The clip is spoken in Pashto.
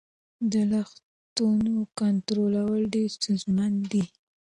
د لګښتونو کنټرولول ډېر ستونزمن دي.